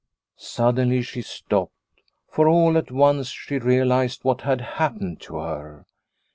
Suddenly she stopped, for all at once she realised what had happened to her.